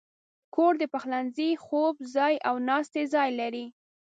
کور د پخلنځي، خوب ځای، او ناستې ځای لري.